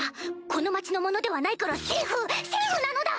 この町の者ではないからセーフセーフなのだ！